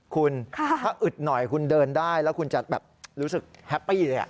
คุณถ้าอึดหน่อยคุณเดินได้แล้วคุณจะแบบรู้สึกแฮปปี้เลย